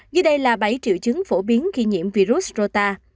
dưới đây là bảy triệu chứng phổ biến khi nhiễm virus rota